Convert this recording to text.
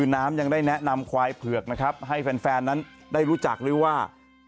น้ำยังได้แนะนำควายเผือกนะครับให้แฟนนั้นได้รู้จักหรือว่า